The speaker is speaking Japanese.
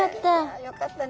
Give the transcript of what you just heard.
あよかったね。